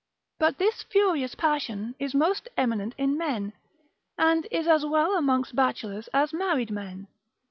But this furious passion is most eminent in men, and is as well amongst bachelors as married men.